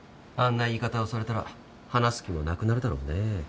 あんな言い方をされたら話す気もなくなるだろうね。